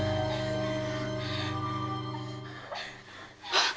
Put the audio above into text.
あっ！